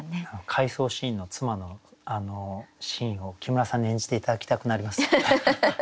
回想シーンの妻のシーンを木村さんに演じて頂きたくなりますね。